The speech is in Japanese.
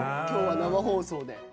今日は生放送で。